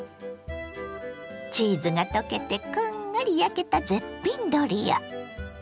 チーズが溶けてこんがり焼けた絶品ドリア。